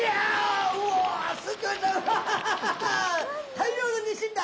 「大漁のニシンだ」。